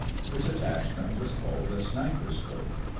This attachment was called a "sniperscope."